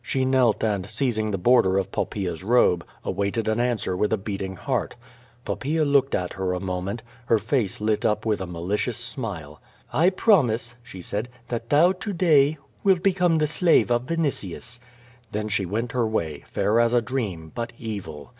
She knelt and, seizing the border of Poppaea's robe, awaited an answer with a beating heart. Poppaea looked at her a moment. Her face lit up with a malicious smile. "I promise," she said, "that thou to day wilt become the slave of Vinitius." Then she went her way, fair as a dream, but evil.